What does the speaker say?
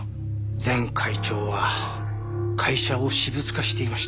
前会長は会社を私物化していました。